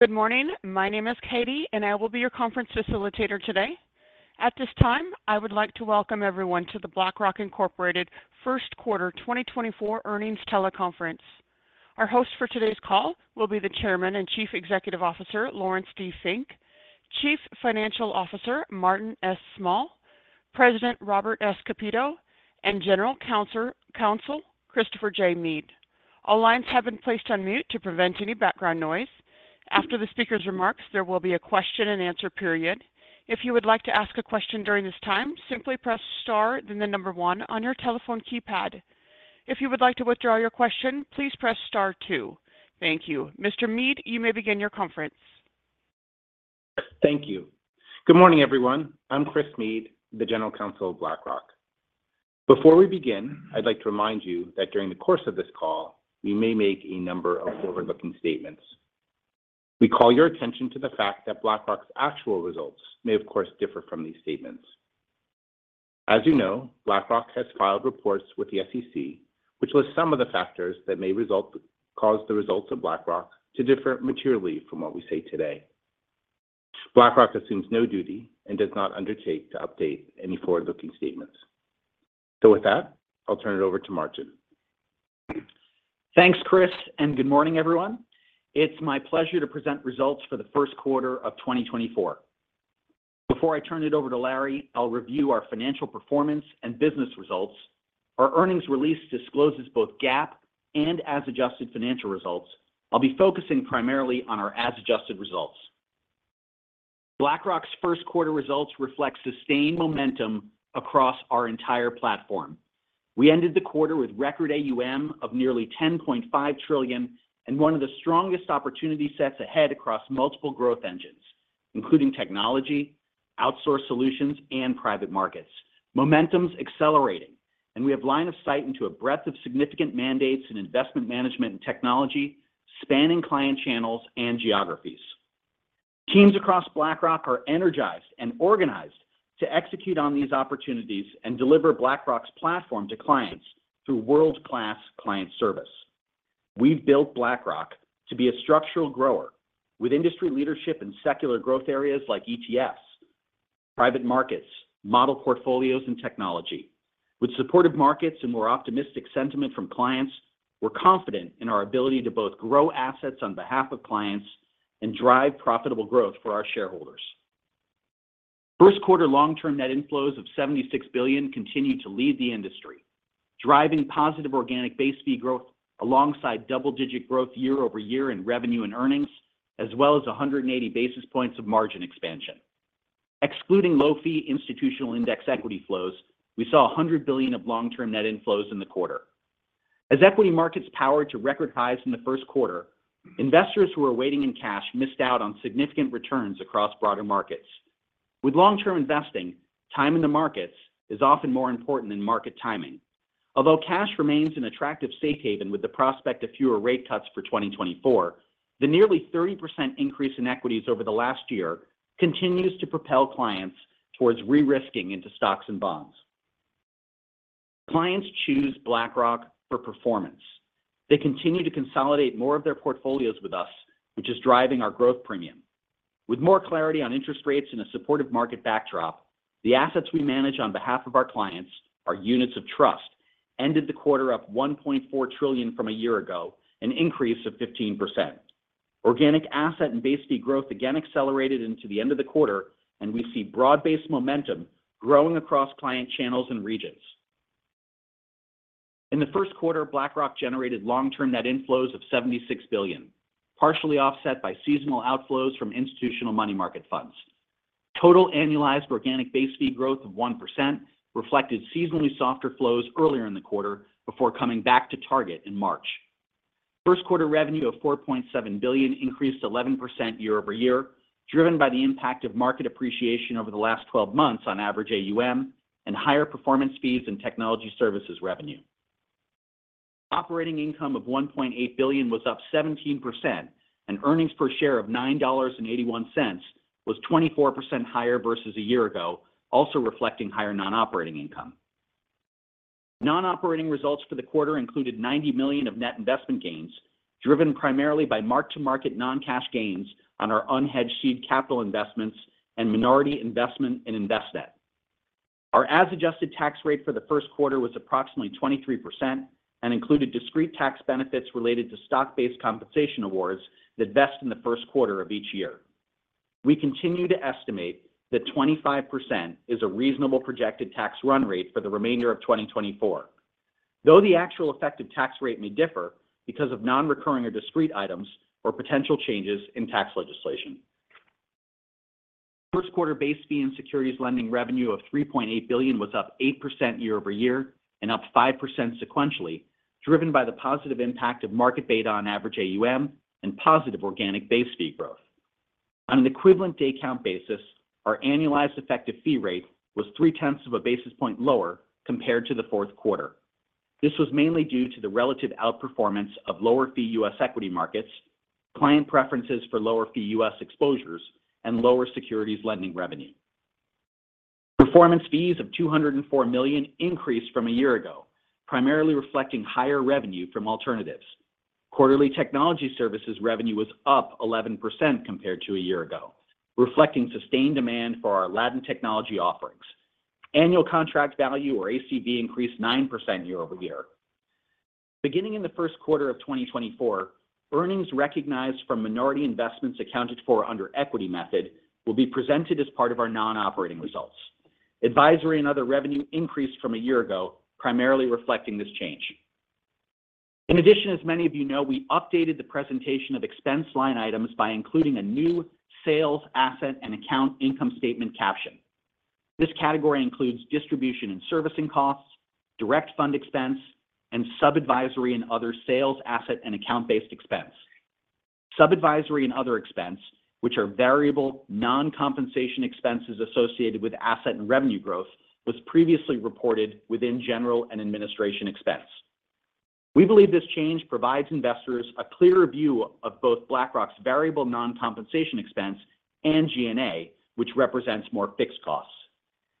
Good morning. My name is Katie, and I will be your conference facilitator today. At this time, I would like to welcome everyone to the BlackRock Incorporated First Quarter 2024 Earnings Teleconference. Our hosts for today's call will be the Chairman and Chief Executive Officer Laurence D. Fink, Chief Financial Officer Martin S. Small, President Robert S. Kapito, and General Counsel Christopher J. Meade. All lines have been placed on mute to prevent any background noise. After the speaker's remarks, there will be a question-and-answer period. If you would like to ask a question during this time, simply press star then the number one on your telephone keypad. If you would like to withdraw your question, please press star two. Thank you. Mr. Meade, you may begin your conference. Thank you. Good morning, everyone. I'm Chris Meade, the General Counsel of BlackRock. Before we begin, I'd like to remind you that during the course of this call, we may make a number of forward-looking statements. We call your attention to the fact that BlackRock's actual results may, of course, differ from these statements. As you know, BlackRock has filed reports with the SEC, which list some of the factors that may cause the results of BlackRock to differ materially from what we say today. BlackRock assumes no duty and does not undertake to update any forward-looking statements. So with that, I'll turn it over to Martin. Thanks, Chris, and good morning, everyone. It's my pleasure to present results for the first quarter of 2024. Before I turn it over to Larry, I'll review our financial performance and business results. Our earnings release discloses both GAAP and as-adjusted financial results. I'll be focusing primarily on our as-adjusted results. BlackRock's first quarter results reflect sustained momentum across our entire platform. We ended the quarter with record AUM of nearly $10.5 trillion and one of the strongest opportunity sets ahead across multiple growth engines, including technology, outsource solutions, and private markets. Momentum's accelerating, and we have line of sight into a breadth of significant mandates in investment management and technology, spanning client channels and geographies. Teams across BlackRock are energized and organized to execute on these opportunities and deliver BlackRock's platform to clients through world-class client service. We've built BlackRock to be a structural grower with industry leadership in secular growth areas like ETFs, private markets, model portfolios, and technology. With supportive markets and more optimistic sentiment from clients, we're confident in our ability to both grow assets on behalf of clients and drive profitable growth for our shareholders. First quarter long-term net inflows of $76 billion continue to lead the industry, driving positive organic base fee growth alongside double-digit growth year over year in revenue and earnings, as well as 180 basis points of margin expansion. Excluding low-fee institutional index equity flows, we saw $100 billion of long-term net inflows in the quarter. As equity markets powered to record highs in the first quarter, investors who were waiting in cash missed out on significant returns across broader markets. With long-term investing, time in the markets is often more important than market timing. Although cash remains an attractive safe haven with the prospect of fewer rate cuts for 2024, the nearly 30% increase in equities over the last year continues to propel clients towards re-risking into stocks and bonds. Clients choose BlackRock for performance. They continue to consolidate more of their portfolios with us, which is driving our growth premium. With more clarity on interest rates and a supportive market backdrop, the assets we manage on behalf of our clients, our units of trust, ended the quarter up $1.4 trillion from a year ago, an increase of 15%. Organic asset and base fee growth again accelerated into the end of the quarter, and we see broad-based momentum growing across client channels and regions. In the first quarter, BlackRock generated long-term net inflows of $76 billion, partially offset by seasonal outflows from institutional money market funds. Total annualized organic base fee growth of 1% reflected seasonally softer flows earlier in the quarter before coming back to target in March. First quarter revenue of $4.7 billion increased 11% year-over-year, driven by the impact of market appreciation over the last 12 months on average AUM and higher performance fees and technology services revenue. Operating income of $1.8 billion was up 17%, and earnings per share of $9.81 was 24% higher versus a year ago, also reflecting higher non-operating income. Non-operating results for the quarter included $90 million of net investment gains, driven primarily by mark-to-market non-cash gains on our unhedged seed capital investments and minority investment in Envestnet. Our as-adjusted tax rate for the first quarter was approximately 23% and included discrete tax benefits related to stock-based compensation awards that vest in the first quarter of each year. We continue to estimate that 25% is a reasonable projected tax run rate for the remainder of 2024, though the actual effective tax rate may differ because of non-recurring or discrete items or potential changes in tax legislation. First quarter base fee and securities lending revenue of $3.8 billion was up 8% year-over-year and up 5% sequentially, driven by the positive impact of market beta on average AUM and positive organic base fee growth. On an equivalent day-count basis, our annualized effective fee rate was 0.3 of a basis point lower compared to the fourth quarter. This was mainly due to the relative outperformance of lower-fee U.S. equity markets, client preferences for lower-fee U.S. exposures, and lower securities lending revenue. Performance fees of $204 million increased from a year ago, primarily reflecting higher revenue from alternatives. Quarterly technology services revenue was up 11% compared to a year ago, reflecting sustained demand for our Aladdin technology offerings. Annual contract value, or ACV, increased 9% year-over-year. Beginning in the first quarter of 2024, earnings recognized from minority investments accounted for under equity method will be presented as part of our non-operating results. Advisory and other revenue increased from a year ago, primarily reflecting this change. In addition, as many of you know, we updated the presentation of expense line items by including a new sales asset and account income statement caption. This category includes distribution and servicing costs, direct fund expense, and sub-advisory and other sales asset and account-based expense. Sub-advisory and other expense, which are variable non-compensation expenses associated with asset and revenue growth, was previously reported within general and administrative expense. We believe this change provides investors a clearer view of both BlackRock's variable non-compensation expense and G&A, which represents more fixed costs.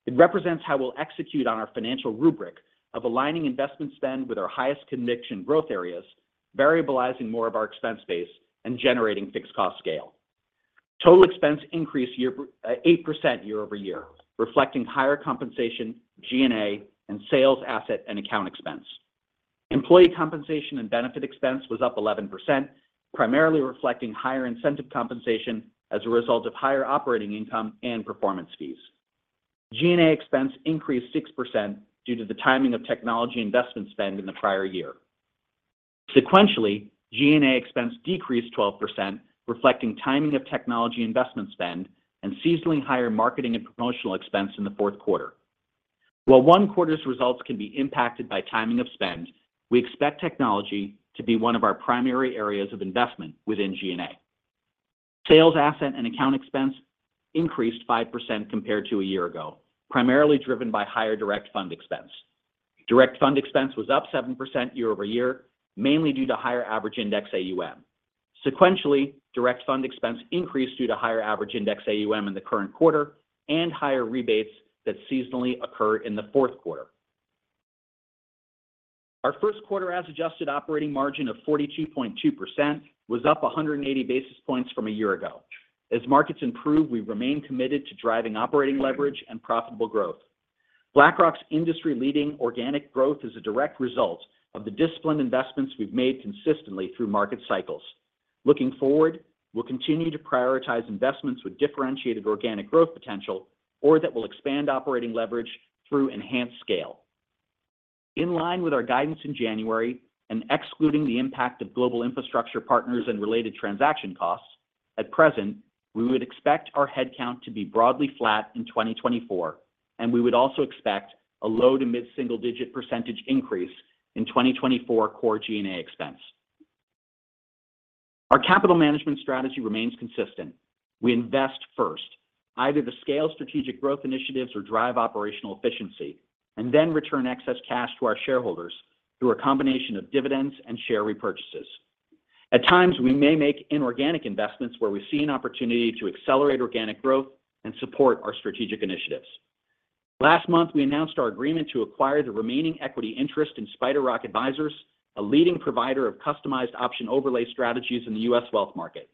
It represents how we'll execute on our financial rubric of aligning investment spend with our highest conviction growth areas, variabilizing more of our expense base, and generating fixed cost scale. Total expense increased 8% year-over-year, reflecting higher compensation, G&A, and sales asset and account expense. Employee compensation and benefit expense was up 11%, primarily reflecting higher incentive compensation as a result of higher operating income and performance fees. G&A expense increased 6% due to the timing of technology investment spend in the prior year. Sequentially, G&A expense decreased 12%, reflecting timing of technology investment spend and seasonally higher marketing and promotional expense in the fourth quarter. While one quarter's results can be impacted by timing of spend, we expect technology to be one of our primary areas of investment within G&A. Sales asset and account expense increased 5% compared to a year ago, primarily driven by higher direct fund expense. Direct fund expense was up 7% year-over-year, mainly due to higher average index AUM. Sequentially, direct fund expense increased due to higher average index AUM in the current quarter and higher rebates that seasonally occur in the fourth quarter. Our first quarter as-adjusted operating margin of 42.2% was up 180 basis points from a year ago. As markets improve, we remain committed to driving operating leverage and profitable growth. BlackRock's industry-leading organic growth is a direct result of the disciplined investments we've made consistently through market cycles. Looking forward, we'll continue to prioritize investments with differentiated organic growth potential or that will expand operating leverage through enhanced scale. In line with our guidance in January and excluding the impact of Global Infrastructure Partners and related transaction costs, at present, we would expect our headcount to be broadly flat in 2024, and we would also expect a low- to mid-single-digit % increase in 2024 core G&A expense. Our capital management strategy remains consistent. We invest first, either to scale strategic growth initiatives or drive operational efficiency, and then return excess cash to our shareholders through a combination of dividends and share repurchases. At times, we may make inorganic investments where we see an opportunity to accelerate organic growth and support our strategic initiatives. Last month, we announced our agreement to acquire the remaining equity interest in SpiderRock Advisors, a leading provider of customized option overlay strategies in the U.S. wealth market.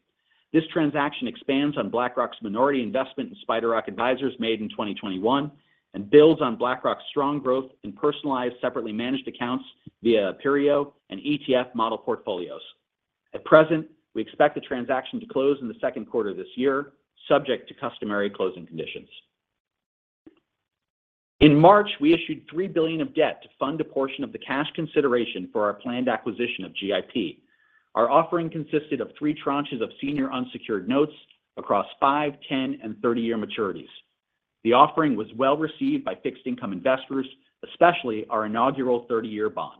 This transaction expands on BlackRock's minority investment in SpiderRock Advisors made in 2021 and builds on BlackRock's strong growth in personalized separately managed accounts via Aperio and ETF model portfolios. At present, we expect the transaction to close in the second quarter of this year, subject to customary closing conditions. In March, we issued $3 billion of debt to fund a portion of the cash consideration for our planned acquisition of GIP. Our offering consisted of three tranches of senior unsecured notes across five, 10-, and 30-year maturities. The offering was well received by fixed-income investors, especially our inaugural 30-year bond.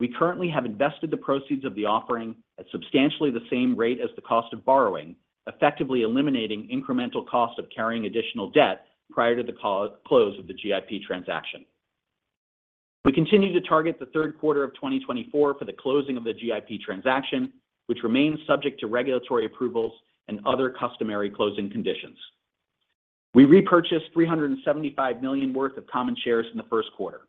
We currently have invested the proceeds of the offering at substantially the same rate as the cost of borrowing, effectively eliminating incremental cost of carrying additional debt prior to the close of the GIP transaction. We continue to target the third quarter of 2024 for the closing of the GIP transaction, which remains subject to regulatory approvals and other customary closing conditions. We repurchased $375 million worth of common shares in the first quarter.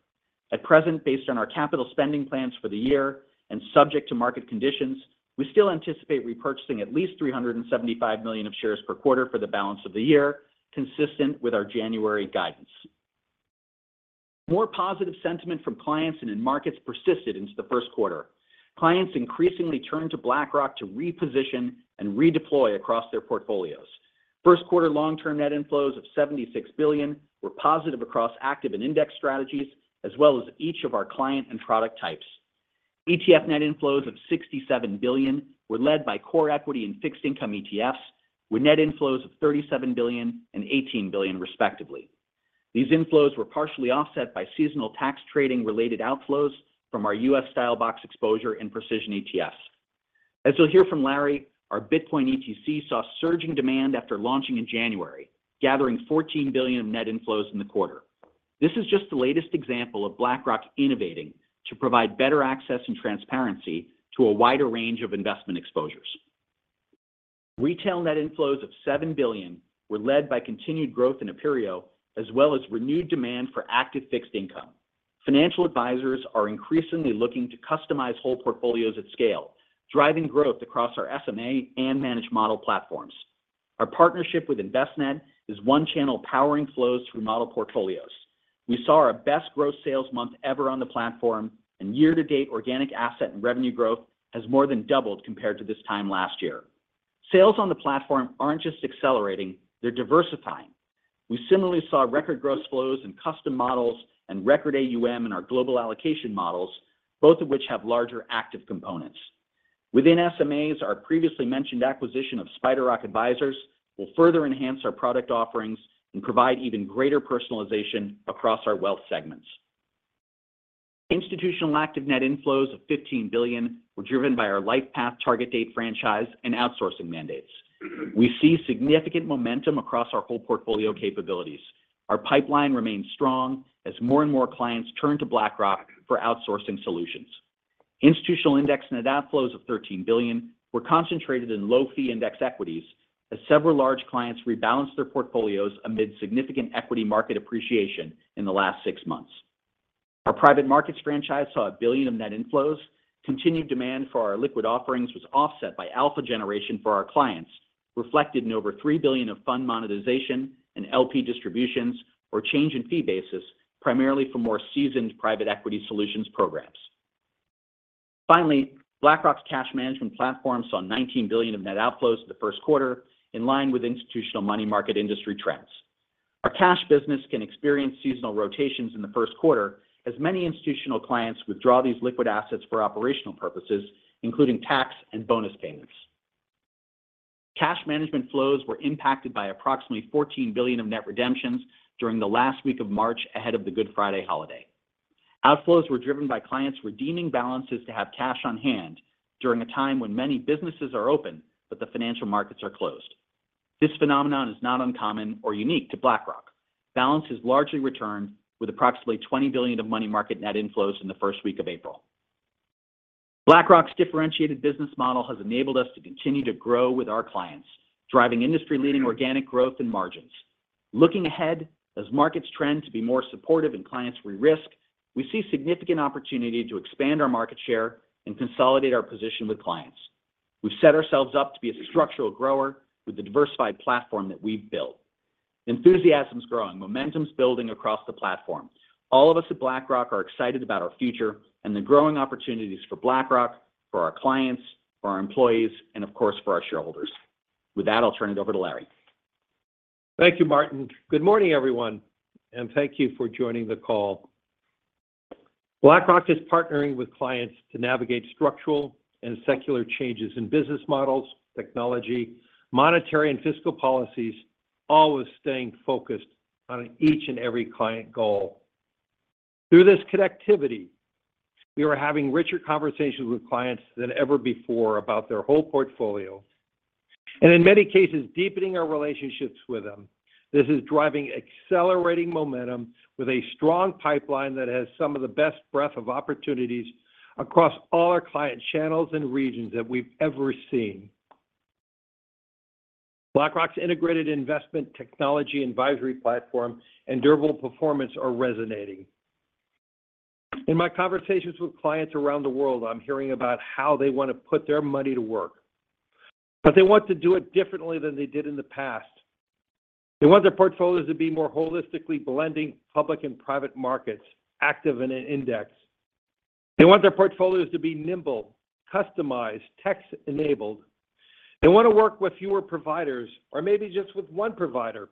At present, based on our capital spending plans for the year and subject to market conditions, we still anticipate repurchasing at least $375 million of shares per quarter for the balance of the year, consistent with our January guidance. More positive sentiment from clients and in markets persisted into the first quarter. Clients increasingly turned to BlackRock to reposition and redeploy across their portfolios. First quarter long-term net inflows of $76 billion were positive across active and index strategies, as well as each of our client and product types. ETF net inflows of $67 billion were led by core equity and fixed-income ETFs, with net inflows of $37 billion and $18 billion, respectively. These inflows were partially offset by seasonal tax trading-related outflows from our U.S. style box exposure and precision ETFs. As you'll hear from Larry, our Bitcoin ETC saw surging demand after launching in January, gathering $14 billion of net inflows in the quarter. This is just the latest example of BlackRock innovating to provide better access and transparency to a wider range of investment exposures. Retail net inflows of $7 billion were led by continued growth in Aperio, as well as renewed demand for active fixed income. Financial advisors are increasingly looking to customize whole portfolios at scale, driving growth across our SMA and managed model platforms. Our partnership with Envestnet is one-channel powering flows through model portfolios. We saw our best gross sales month ever on the platform, and year to date, organic asset and revenue growth has more than doubled compared to this time last year. Sales on the platform aren't just accelerating; they're diversifying. We similarly saw record gross flows in custom models and record AUM in our global allocation models, both of which have larger active components. Within SMAs, our previously mentioned acquisition of SpiderRock Advisors will further enhance our product offerings and provide even greater personalization across our wealth segments. Institutional active net inflows of $15 billion were driven by our LifePath target date franchise and outsourcing mandates. We see significant momentum across our whole portfolio capabilities. Our pipeline remains strong as more and more clients turn to BlackRock for outsourcing solutions. Institutional index net outflows of $13 billion were concentrated in low-fee index equities as several large clients rebalanced their portfolios amid significant equity market appreciation in the last six months. Our private markets franchise saw $1 billion of net inflows. Continued demand for our liquid offerings was offset by alpha generation for our clients, reflected in over $3 billion of fund monetization and LP distributions or change in fee basis, primarily from more seasoned private equity solutions programs. Finally, BlackRock's cash management platform saw $19 billion of net outflows in the first quarter, in line with institutional money market industry trends. Our cash business can experience seasonal rotations in the first quarter, as many institutional clients withdraw these liquid assets for operational purposes, including tax and bonus payments. Cash management flows were impacted by approximately $14 billion of net redemptions during the last week of March ahead of the Good Friday holiday. Outflows were driven by clients redeeming balances to have cash on hand during a time when many businesses are open but the financial markets are closed. This phenomenon is not uncommon or unique to BlackRock. Balance has largely returned with approximately $20 billion of money market net inflows in the first week of April. BlackRock's differentiated business model has enabled us to continue to grow with our clients, driving industry-leading organic growth and margins. Looking ahead, as markets trend to be more supportive and clients re-risk, we see significant opportunity to expand our market share and consolidate our position with clients. We've set ourselves up to be a structural grower with the diversified platform that we've built. Enthusiasm's growing, momentum's building across the platform. All of us at BlackRock are excited about our future and the growing opportunities for BlackRock, for our clients, for our employees, and of course, for our shareholders. With that, I'll turn it over to Larry. Thank you, Martin. Good morning, everyone, and thank you for joining the call. BlackRock is partnering with clients to navigate structural and secular changes in business models, technology, monetary, and fiscal policies, always staying focused on each and every client goal. Through this connectivity, we are having richer conversations with clients than ever before about their whole portfolio and, in many cases, deepening our relationships with them. This is driving accelerating momentum with a strong pipeline that has some of the best breadth of opportunities across all our client channels and regions that we've ever seen. BlackRock's integrated investment technology advisory platform and durable performance are resonating. In my conversations with clients around the world, I'm hearing about how they want to put their money to work, but they want to do it differently than they did in the past. They want their portfolios to be more holistically blending public and private markets, active in index. They want their portfolios to be nimble, customized, tech-enabled. They want to work with fewer providers or maybe just with one provider.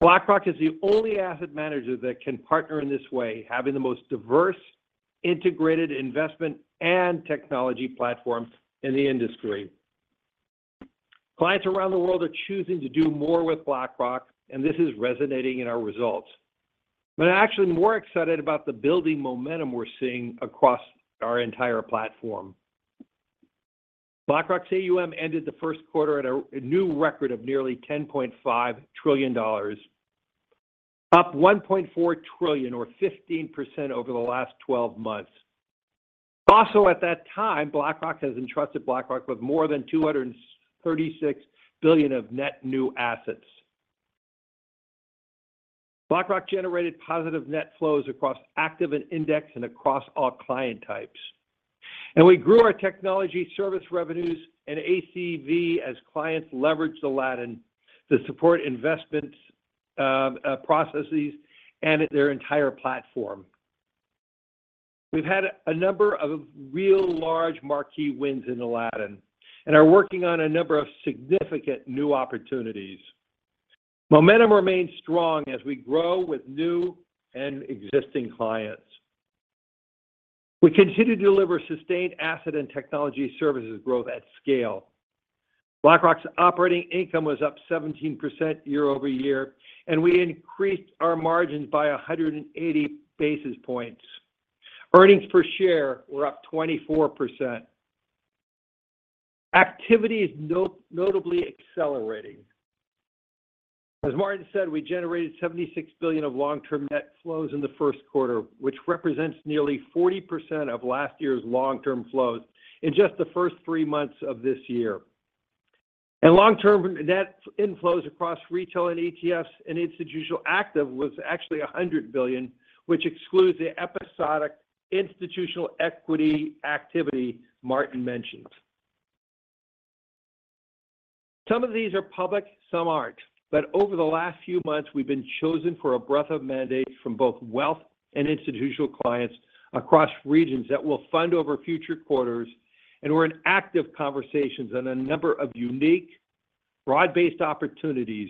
BlackRock is the only asset manager that can partner in this way, having the most diverse integrated investment and technology platform in the industry. Clients around the world are choosing to do more with BlackRock, and this is resonating in our results. But I'm actually more excited about the building momentum we're seeing across our entire platform. BlackRock's AUM ended the first quarter at a new record of nearly $10.5 trillion, up $1.4 trillion or 15% over the last 12 months. Also, at that time, investors have entrusted BlackRock with more than $236 billion of net new assets. BlackRock generated positive net flows across active and index and across all client types. We grew our technology service revenues and ACV as clients leveraged Aladdin to support investment processes and their entire platform. We've had a number of real large marquee wins in Aladdin, and are working on a number of significant new opportunities. Momentum remains strong as we grow with new and existing clients. We continue to deliver sustained asset and technology services growth at scale. BlackRock's operating income was up 17% year-over-year, and we increased our margins by 180 basis points. Earnings per share were up 24%. Activity is notably accelerating. As Martin said, we generated $76 billion of long-term net flows in the first quarter, which represents nearly 40% of last year's long-term flows in just the first three months of this year. Long-term net inflows across retail and ETFs and institutional active was actually $100 billion, which excludes the episodic institutional equity activity Martin mentioned. Some of these are public, some aren't. But over the last few months, we've been chosen for a breadth of mandates from both wealth and institutional clients across regions that will fund over future quarters. We're in active conversations on a number of unique, broad-based opportunities,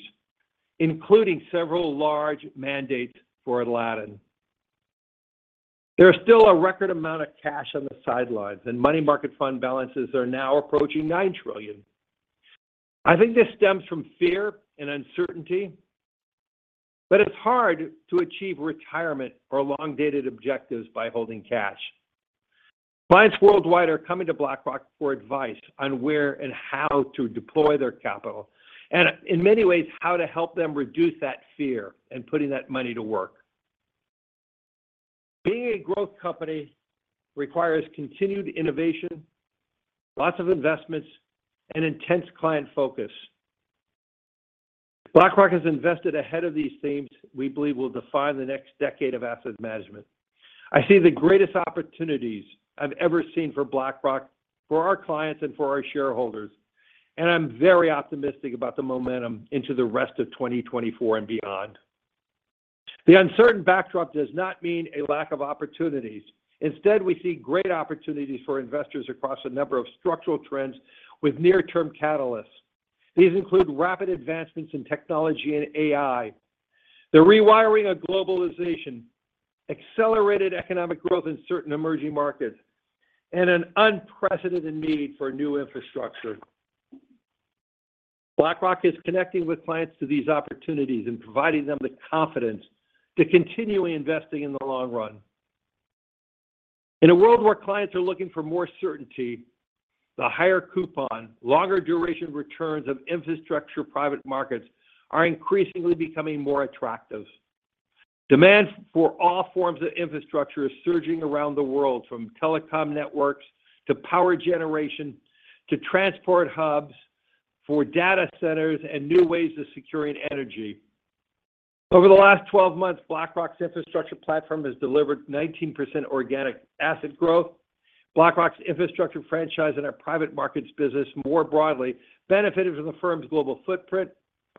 including several large mandates for Aladdin. There's still a record amount of cash on the sidelines, and money market fund balances are now approaching $9 trillion. I think this stems from fear and uncertainty, but it's hard to achieve retirement or long-dated objectives by holding cash. Clients worldwide are coming to BlackRock for advice on where and how to deploy their capital, and in many ways, how to help them reduce that fear and putting that money to work. Being a growth company requires continued innovation, lots of investments, and intense client focus. BlackRock has invested ahead of these themes, we believe, will define the next decade of asset management. I see the greatest opportunities I've ever seen for BlackRock, for our clients and for our shareholders, and I'm very optimistic about the momentum into the rest of 2024 and beyond. The uncertain backdrop does not mean a lack of opportunities. Instead, we see great opportunities for investors across a number of structural trends with near-term catalysts. These include rapid advancements in technology and AI, the rewiring of globalization, accelerated economic growth in certain emerging markets, and an unprecedented need for new infrastructure. BlackRock is connecting with clients to these opportunities and providing them the confidence to continually investing in the long run. In a world where clients are looking for more certainty, the higher coupon, longer duration returns of infrastructure private markets are increasingly becoming more attractive. Demand for all forms of infrastructure is surging around the world, from telecom networks to power generation to transport hubs for data centers and new ways of securing energy. Over the last 12 months, BlackRock's infrastructure platform has delivered 19% organic asset growth. BlackRock's infrastructure franchise and our private markets business more broadly benefited from the firm's global footprint,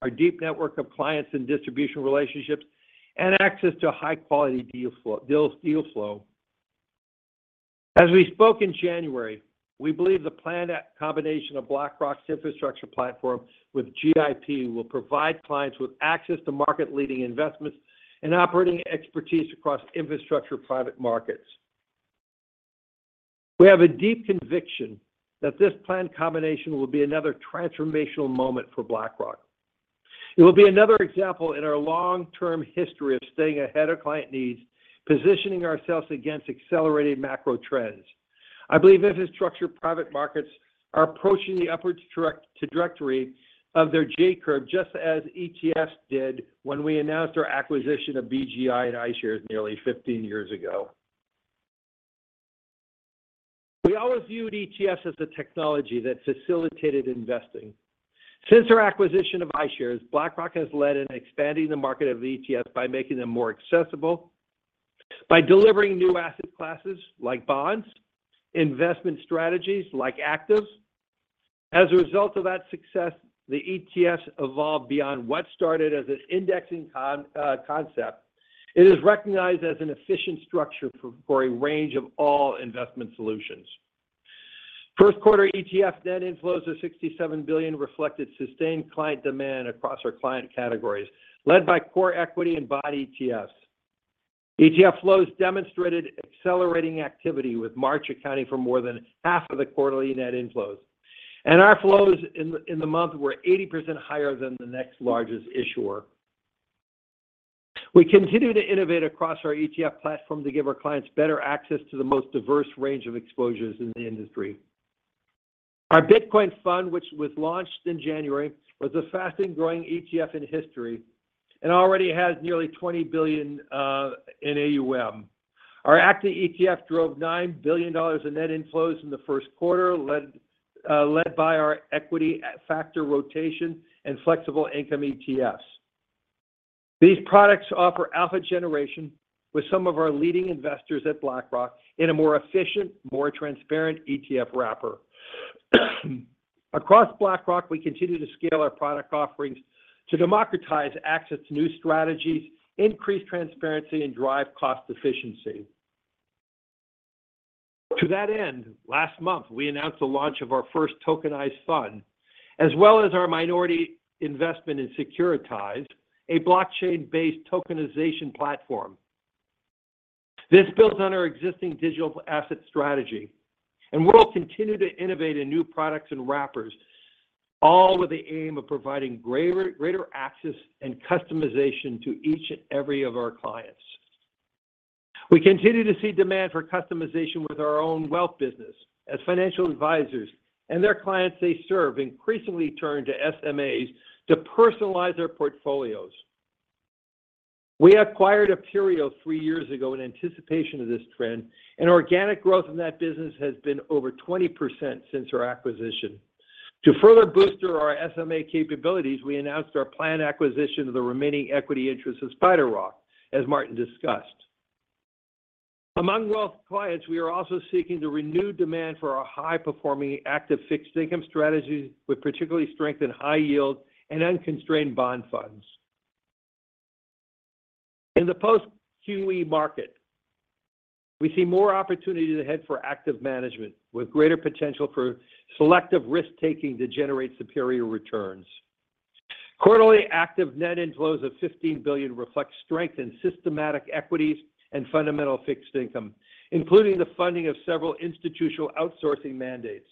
our deep network of clients and distribution relationships, and access to high-quality deal flow. As we spoke in January, we believe the planned combination of BlackRock's infrastructure platform with GIP will provide clients with access to market-leading investments and operating expertise across infrastructure private markets. We have a deep conviction that this planned combination will be another transformational moment for BlackRock. It will be another example in our long-term history of staying ahead of client needs, positioning ourselves against accelerated macro trends. I believe infrastructure private markets are approaching the upward trajectory of their J-curve just as ETFs did when we announced our acquisition of BGI and iShares nearly 15 years ago. We always viewed ETFs as a technology that facilitated investing. Since our acquisition of iShares, BlackRock has led in expanding the market of ETFs by making them more accessible, by delivering new asset classes like bonds, investment strategies like actives. As a result of that success, the ETFs evolved beyond what started as an indexing concept. It is recognized as an efficient structure for a range of all investment solutions. First-quarter ETF net inflows of $67 billion reflected sustained client demand across our client categories, led by core equity and bond ETFs. ETF flows demonstrated accelerating activity, with March accounting for more than half of the quarterly net inflows. Our flows in the month were 80% higher than the next largest issuer. We continue to innovate across our ETF platform to give our clients better access to the most diverse range of exposures in the industry. Our Bitcoin fund, which was launched in January, was the fastest-growing ETF in history and already has nearly $20 billion in AUM. Our active ETF drove $9 billion in net inflows in the first quarter, led by our equity factor rotation and flexible income ETFs. These products offer alpha generation with some of our leading investors at BlackRock in a more efficient, more transparent ETF wrapper. Across BlackRock, we continue to scale our product offerings to democratize access to new strategies, increase transparency, and drive cost efficiency. To that end, last month, we announced the launch of our first tokenized fund, as well as our minority investment in Securitize, a blockchain-based tokenization platform. This builds on our existing digital asset strategy, and we'll continue to innovate in new products and wrappers, all with the aim of providing greater access and customization to each and every of our clients. We continue to see demand for customization with our own wealth business, as financial advisors and their clients they serve increasingly turn to SMAs to personalize their portfolios. We acquired Aperio three years ago in anticipation of this trend, and organic growth in that business has been over 20% since our acquisition. To further bolster our SMA capabilities, we announced our planned acquisition of the remaining equity interests of SpiderRock, as Martin discussed. Among wealth clients, we are also seeking to renew demand for our high-performing active fixed income strategies, with particularly strengthened high-yield and unconstrained bond funds. In the post-QE market, we see more opportunity ahead for active management, with greater potential for selective risk-taking to generate superior returns. Quarterly, active net inflows of $15 billion reflect strengthened systematic equities and fundamental fixed income, including the funding of several institutional outsourcing mandates.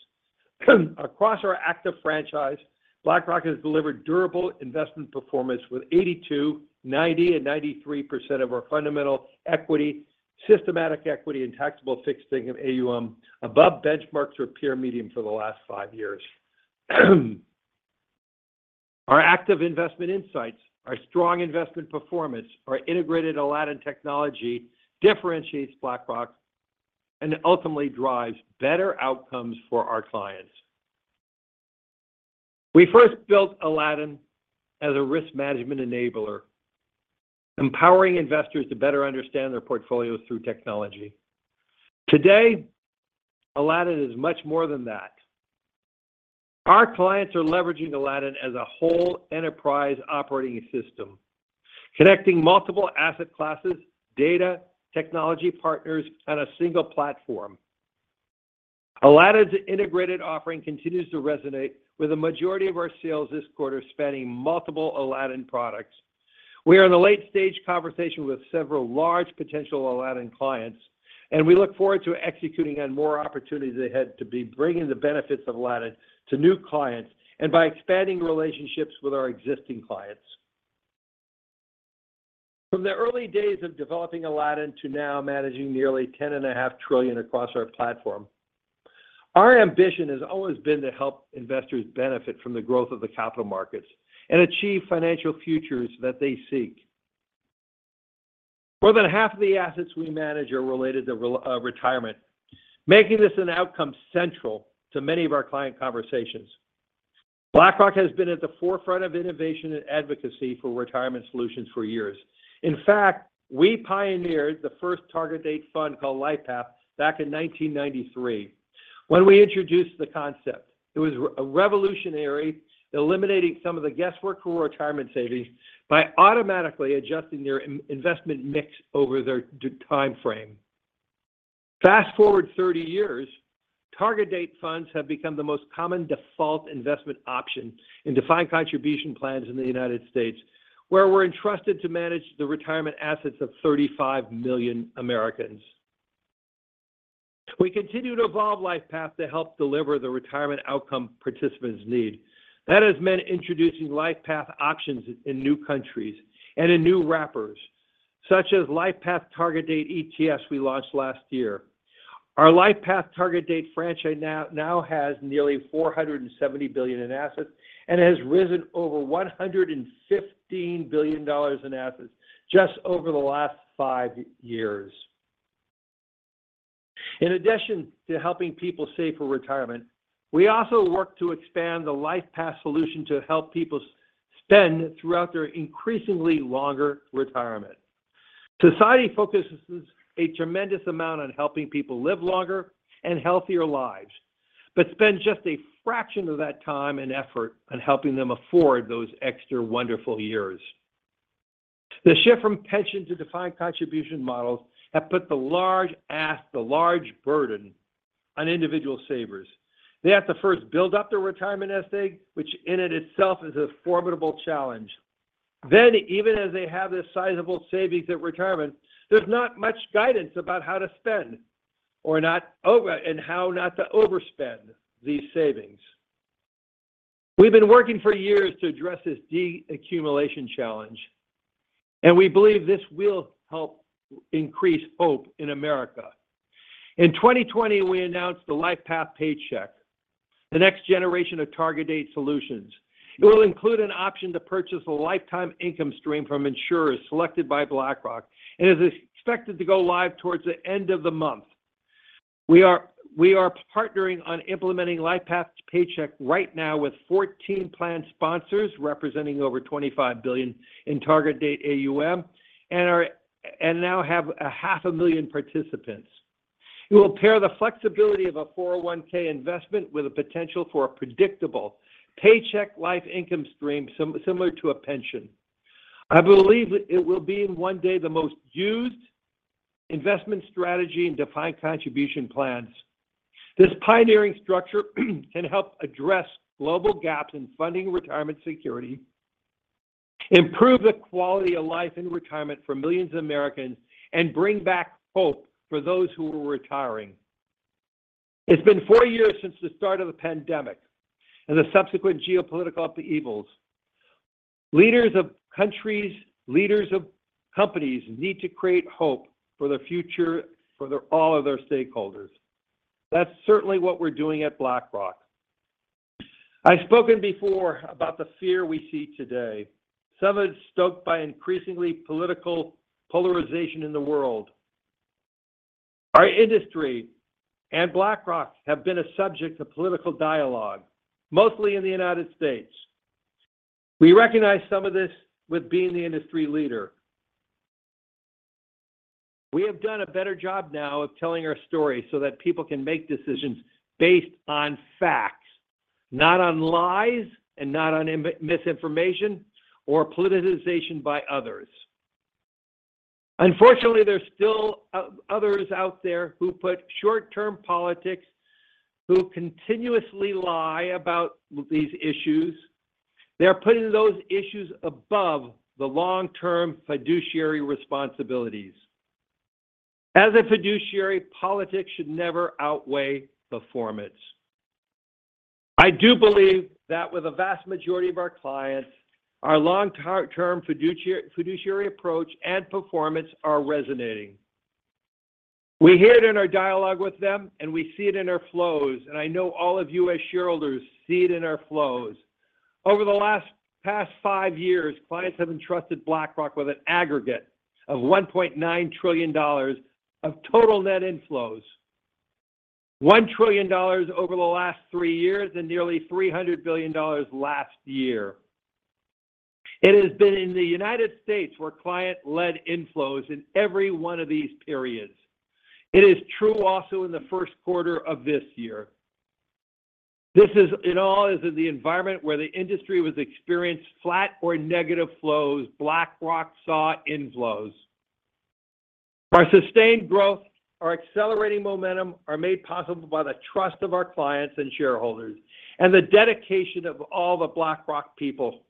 Across our active franchise, BlackRock has delivered durable investment performance with 82%, 90%, and 93% of our fundamental equity, systematic equity, and taxable fixed income AUM above benchmarks or peer medium for the last five years. Our active investment insights, our strong investment performance, our integrated Aladdin technology differentiates BlackRock and ultimately drives better outcomes for our clients. We first built Aladdin as a risk management enabler, empowering investors to better understand their portfolios through technology. Today, Aladdin is much more than that. Our clients are leveraging Aladdin as a whole enterprise operating system, connecting multiple asset classes, data, technology partners, on a single platform. Aladdin's integrated offering continues to resonate with a majority of our sales this quarter, spanning multiple Aladdin products. We are in the late-stage conversation with several large potential Aladdin clients, and we look forward to executing on more opportunities ahead to be bringing the benefits of Aladdin to new clients and by expanding relationships with our existing clients. From the early days of developing Aladdin to now managing nearly $10.5 trillion across our platform, our ambition has always been to help investors benefit from the growth of the capital markets and achieve financial futures that they seek. More than half of the assets we manage are related to retirement, making this an outcome central to many of our client conversations. BlackRock has been at the forefront of innovation and advocacy for retirement solutions for years. In fact, we pioneered the first target-date fund called LifePath back in 1993 when we introduced the concept. It was revolutionary, eliminating some of the guesswork for retirement savings by automatically adjusting their investment mix over their time frame. Fast forward 30 years, target-date funds have become the most common default investment option in defined contribution plans in the United States, where we're entrusted to manage the retirement assets of 35 million Americans. We continue to evolve LifePath to help deliver the retirement outcome participants need. That has meant introducing LifePath options in new countries and in new wrappers, such as LifePath target-date ETFs we launched last year. Our LifePath target-date franchise now has nearly $470 billion in assets and has risen over $115 billion in assets just over the last five years. In addition to helping people save for retirement, we also work to expand the LifePath solution to help people spend throughout their increasingly longer retirement. Society focuses a tremendous amount on helping people live longer and healthier lives, but spend just a fraction of that time and effort on helping them afford those extra wonderful years. The shift from pension to defined contribution models has put the large burden on individual savers. They have to first build up their retirement estate, which in and of itself is a formidable challenge. Then, even as they have this sizable savings at retirement, there's not much guidance about how to spend and how not to overspend these savings. We've been working for years to address this de-accumulation challenge, and we believe this will help increase hope in America. In 2020, we announced the LifePath Paycheck, the next generation of target-date solutions. It will include an option to purchase a lifetime income stream from insurers selected by BlackRock and is expected to go live towards the end of the month. We are partnering on implementing LifePath Paycheck right now with 14 plan sponsors representing over $25 billion in target-date AUM and now have a half a million participants. It will pair the flexibility of a 401(k) investment with a potential for a predictable paycheck life income stream similar to a pension. I believe it will be in one day the most used investment strategy in defined contribution plans. This pioneering structure can help address global gaps in funding retirement security, improve the quality of life in retirement for millions of Americans, and bring back hope for those who are retiring. It's been four years since the start of the pandemic and the subsequent geopolitical upheavals. Leaders of countries, leaders of companies need to create hope for the future for all of their stakeholders. That's certainly what we're doing at BlackRock. I've spoken before about the fear we see today. Some are stoked by increasingly political polarization in the world. Our industry and BlackRock have been a subject of political dialogue, mostly in the United States. We recognize some of this with being the industry leader. We have done a better job now of telling our story so that people can make decisions based on facts, not on lies, and not on misinformation or politicization by others. Unfortunately, there's still others out there who put short-term politics, who continuously lie about these issues. They're putting those issues above the long-term fiduciary responsibilities. As a fiduciary, politics should never outweigh performance. I do believe that with a vast majority of our clients, our long-term fiduciary approach and performance are resonating. We hear it in our dialogue with them, and we see it in our flows. I know all of you as shareholders see it in our flows. Over the last past five years, clients have entrusted BlackRock with an aggregate of $1.9 trillion of total net inflows: $1 trillion over the last three years and nearly $300 billion last year. It has been in the United States where client-led inflows in every one of these periods. It is true also in the first quarter of this year. This all is in the environment where the industry was experiencing flat or negative flows. BlackRock saw inflows. Our sustained growth, our accelerating momentum, are made possible by the trust of our clients and shareholders and the dedication of all the BlackRock people.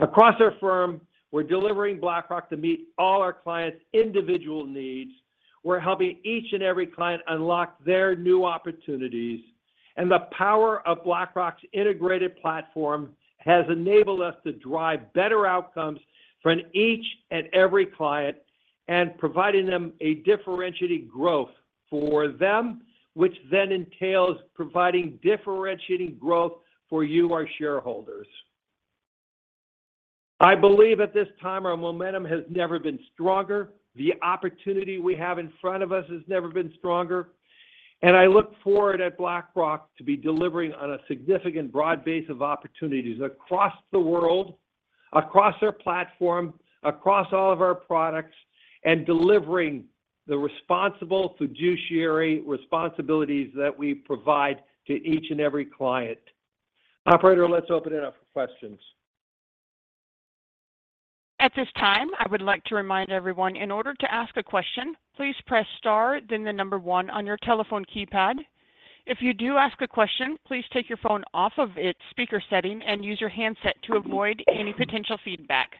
Across our firm, we're delivering BlackRock to meet all our clients' individual needs. We're helping each and every client unlock their new opportunities. The power of BlackRock's integrated platform has enabled us to drive better outcomes for each and every client and providing them a differentiating growth for them, which then entails providing differentiating growth for you, our shareholders. I believe at this time, our momentum has never been stronger. The opportunity we have in front of us has never been stronger. I look forward at BlackRock to be delivering on a significant broad base of opportunities across the world, across our platform, across all of our products, and delivering the responsible fiduciary responsibilities that we provide to each and every client. Operator, let's open it up for questions. At this time, I would like to remind everyone, in order to ask a question, please press star, then the number one on your telephone keypad. If you do ask a question, please take your phone off of its speaker setting and use your handset to avoid any potential feedback.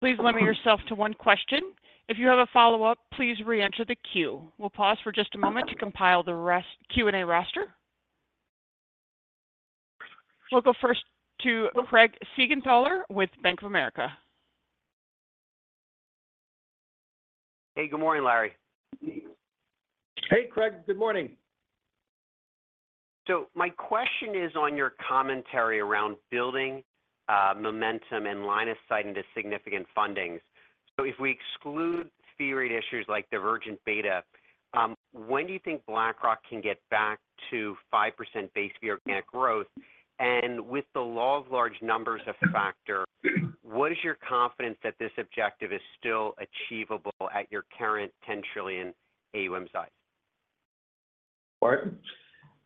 Please limit yourself to one question. If you have a follow-up, please reenter the queue. We'll pause for just a moment to compile the Q&A roster. We'll go first to Craig Siegenthaler with Bank of America. Hey, good morning, Larry. Hey, Craig. Good morning. My question is on your commentary around building momentum and line of sight into significant fundings. If we exclude Fed rate issues like divergent beta, when do you think BlackRock can get back to 5% base fee organic growth? And with the law of large numbers a factor, what is your confidence that this objective is still achievable at your current $10 trillion AUM size? All right.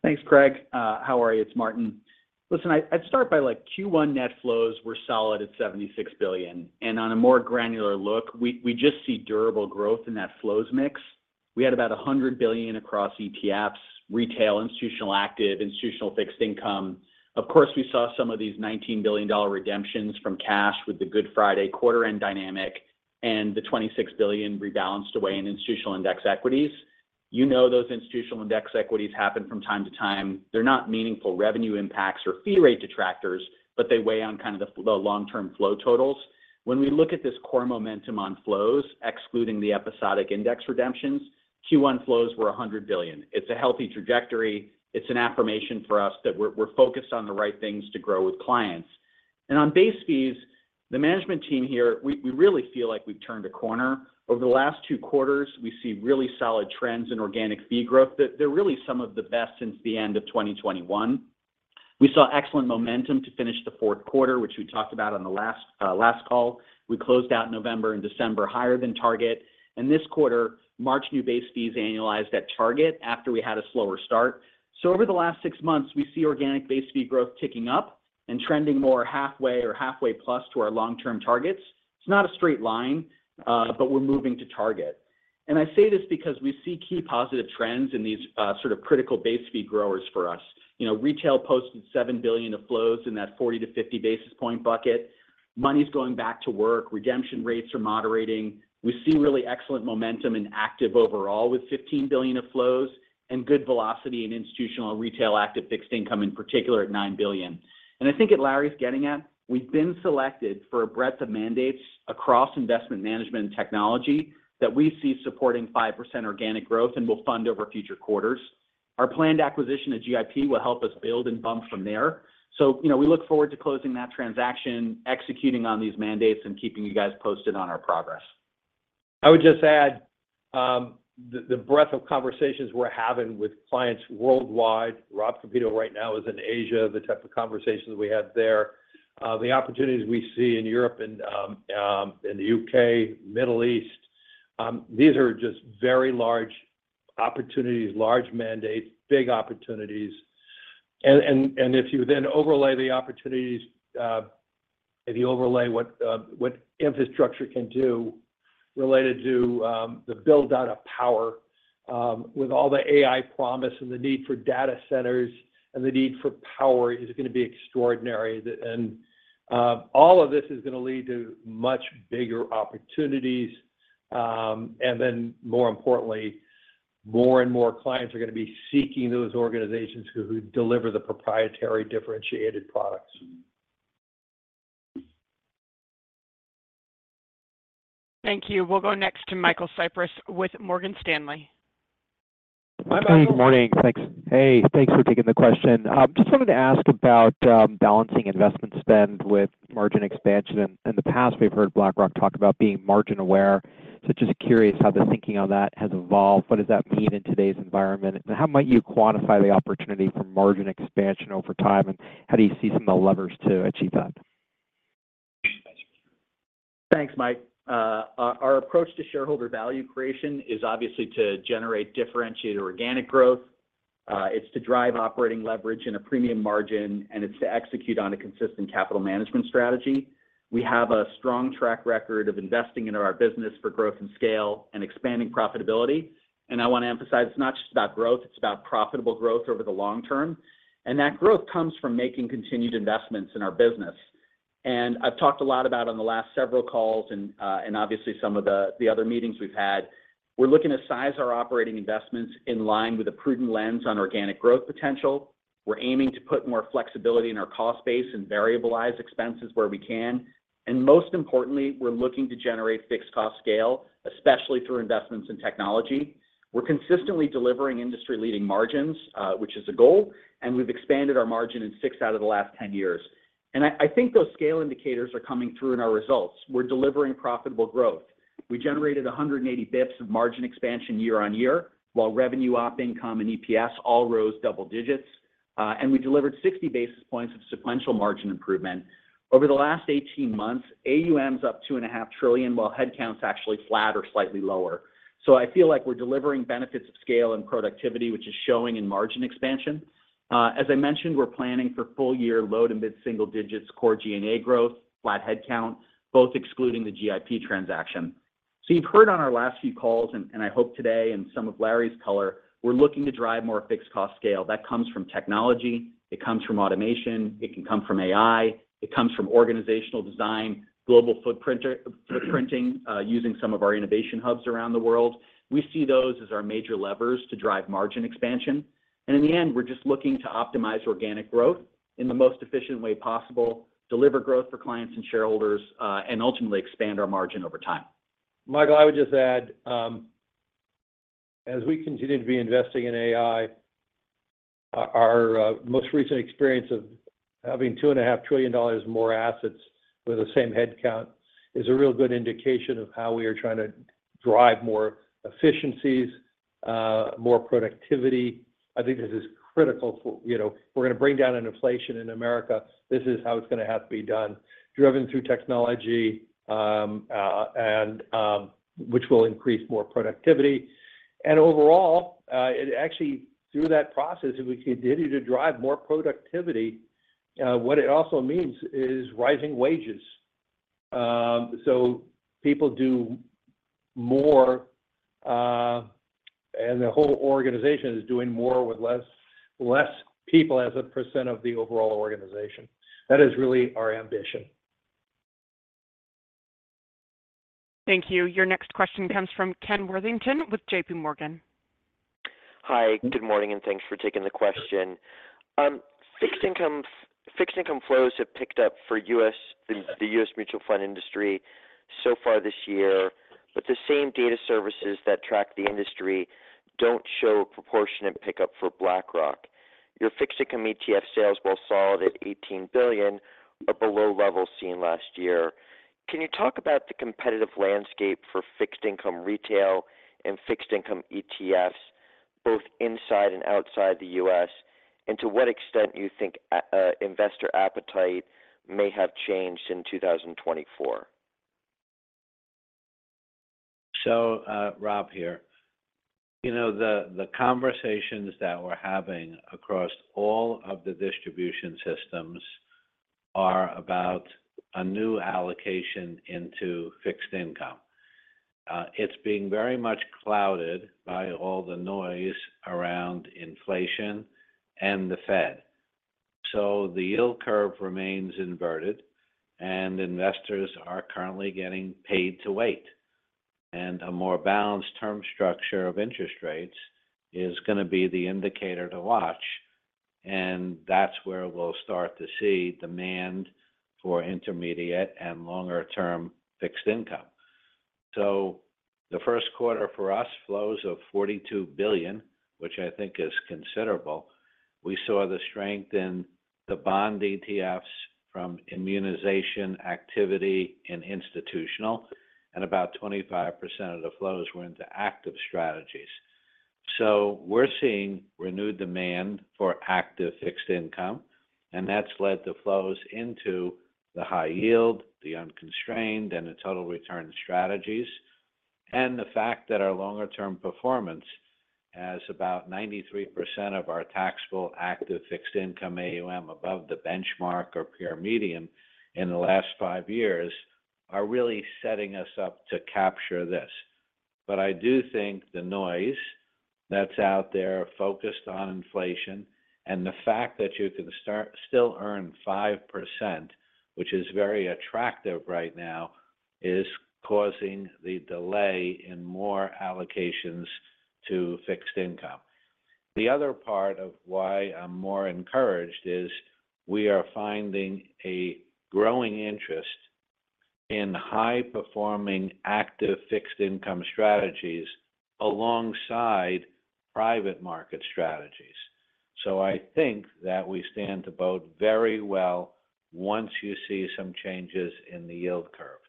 Thanks, Craig. How are you? It's Martin. Listen, I'd start by Q1 net flows were solid at $76 billion. On a more granular look, we just see durable growth in that flows mix. We had about $100 billion across ETFs, retail, institutional active, institutional fixed income. Of course, we saw some of these $19 billion redemptions from cash with the Good Friday quarter-end dynamic and the $26 billion rebalanced away in institutional index equities. You know those institutional index equities happen from time to time. They're not meaningful revenue impacts or fee rate detractors, but they weigh on kind of the long-term flow totals. When we look at this core momentum on flows, excluding the episodic index redemptions, Q1 flows were $100 billion. It's a healthy trajectory. It's an affirmation for us that we're focused on the right things to grow with clients. On base fees, the management team here, we really feel like we've turned a corner. Over the last two quarters, we see really solid trends in organic fee growth that are really some of the best since the end of 2021. We saw excellent momentum to finish the fourth quarter, which we talked about on the last call. We closed out November and December higher than target. This quarter, March new base fees annualized at target after we had a slower start. So over the last six months, we see organic base fee growth ticking up and trending more halfway or halfway plus to our long-term targets. It's not a straight line, but we're moving to target. I say this because we see key positive trends in these sort of critical base fee growers for us. Retail posted $7 billion of flows in that 40-50 basis points bucket. Money's going back to work. Redemption rates are moderating. We see really excellent momentum and active overall with $15 billion of flows and good velocity in institutional retail active fixed income in particular at $9 billion. And I think what Larry's getting at, we've been selected for a breadth of mandates across investment management and technology that we see supporting 5% organic growth and will fund over future quarters. Our planned acquisition of GIP will help us build and bump from there. So we look forward to closing that transaction, executing on these mandates, and keeping you guys posted on our progress. I would just add the breadth of conversations we're having with clients worldwide. Rob Kapito right now is in Asia, the type of conversations we have there. The opportunities we see in Europe and the UK, Middle East, these are just very large opportunities, large mandates, big opportunities. And if you then overlay the opportunities, if you overlay what infrastructure can do related to the buildout of power with all the AI promise and the need for data centers and the need for power, it's going to be extraordinary. And all of this is going to lead to much bigger opportunities. And then more importantly, more and more clients are going to be seeking those organizations who deliver the proprietary differentiated products. Thank you. We'll go next to Michael Cyprys with Morgan Stanley. Hi, Michael. Hey, good morning. Thanks. Hey, thanks for taking the question. Just wanted to ask about balancing investment spend with margin expansion. In the past, we've heard BlackRock talk about being margin aware. So just curious how the thinking on that has evolved. What does that mean in today's environment? And how might you quantify the opportunity for margin expansion over time? And how do you see some of the levers to achieve that? Thanks, Mike. Our approach to shareholder value creation is obviously to generate differentiated organic growth. It's to drive operating leverage and a premium margin, and it's to execute on a consistent capital management strategy. We have a strong track record of investing into our business for growth and scale and expanding profitability. I want to emphasize, it's not just about growth. It's about profitable growth over the long term. That growth comes from making continued investments in our business. I've talked a lot about on the last several calls and obviously some of the other meetings we've had, we're looking to size our operating investments in line with a prudent lens on organic growth potential. We're aiming to put more flexibility in our cost base and variabilize expenses where we can. Most importantly, we're looking to generate fixed cost scale, especially through investments in technology. We're consistently delivering industry-leading margins, which is a goal. We've expanded our margin in six out of the last 10 years. I think those scale indicators are coming through in our results. We're delivering profitable growth. We generated 180 basis points of margin expansion year-on-year while revenue, operating income, and EPS all rose double digits. We delivered 60 basis points of sequential margin improvement. Over the last 18 months, AUM is up $2.5 trillion while headcount is actually flat or slightly lower. So I feel like we're delivering benefits of scale and productivity, which is showing in margin expansion. As I mentioned, we're planning for full-year low- to mid-single digits core G&A growth, flat headcount, both excluding the GIP transaction. So you've heard on our last few calls, and I hope today and some of Larry's color, we're looking to drive more fixed cost scale. That comes from technology. It comes from automation. It can come from AI. It comes from organizational design, global footprinting using some of our innovation hubs around the world. We see those as our major levers to drive margin expansion. And in the end, we're just looking to optimize organic growth in the most efficient way possible, deliver growth for clients and shareholders, and ultimately expand our margin over time. Michael, I would just add, as we continue to be investing in AI, our most recent experience of having $2.5 trillion more assets with the same headcount is a real good indication of how we are trying to drive more efficiencies, more productivity. I think this is critical for if we're going to bring down inflation in America. This is how it's going to have to be done, driven through technology, which will increase more productivity. And overall, actually, through that process, if we continue to drive more productivity, what it also means is rising wages. So people do more, and the whole organization is doing more with less people as a percent of the overall organization. That is really our ambition. Thank you. Your next question comes from Ken Worthington with JPMorgan. Hi. Good morning, and thanks for taking the question. Fixed income flows have picked up for the US mutual fund industry so far this year, but the same data services that track the industry don't show a proportionate pickup for BlackRock. Your fixed income ETF sales were solid at $18 billion, below the level seen last year. Can you talk about the competitive landscape for fixed income retail and fixed income ETFs, both inside and outside the US, and to what extent you think investor appetite may have changed in 2024? So, Rob here. The conversations that we're having across all of the distribution systems are about a new allocation into fixed income. It's being very much clouded by all the noise around inflation and the Fed. So the yield curve remains inverted, and investors are currently getting paid to wait. And a more balanced term structure of interest rates is going to be the indicator to watch. And that's where we'll start to see demand for intermediate and longer-term fixed income. So the first quarter for us, flows of $42 billion, which I think is considerable, we saw the strength in the bond ETFs from immunization activity, and institutional, and about 25% of the flows were into active strategies. So we're seeing renewed demand for active fixed income, and that's led to flows into the high yield, the unconstrained, and the total return strategies. The fact that our longer-term performance, as about 93% of our taxable active fixed income AUM [is] above the benchmark or peer median in the last five years, are really setting us up to capture this. I do think the noise that's out there focused on inflation and the fact that you can still earn 5%, which is very attractive right now, is causing the delay in more allocations to fixed income. The other part of why I'm more encouraged is we are finding a growing interest in high-performing active fixed income strategies alongside private market strategies. I think that we stand to benefit very well once you see some changes in the yield curve.